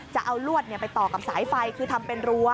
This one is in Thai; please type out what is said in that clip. จะเอาลวดไปต่อกับสายไฟคือทำเป็นรั้ว